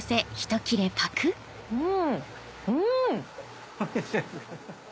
うんうん！